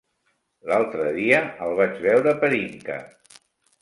L'altre dia el vaig veure per Inca.